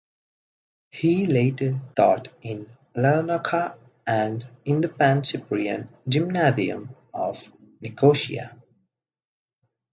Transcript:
He later taught in Larnaca and in the Pancyprian Gymnasium of Nicosia.